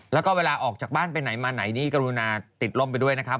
แล้วก็เวลาออกจากบ้านไปไหนมาไหนนี่กรุณาติดล่มไปด้วยนะครับ